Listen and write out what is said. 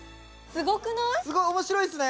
すごい面白いっすね